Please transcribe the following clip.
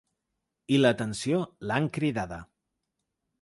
I l’atenció, l’han cridada.